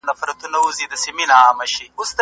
زه اوس چپنه پاکوم؟!